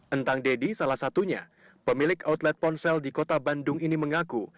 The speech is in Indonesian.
entang deddy salah satunya pemilik outlet ponsel di kota bandung ini mengaku